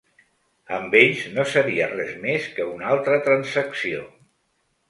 Amb ells, no seria res més que una altra transacció.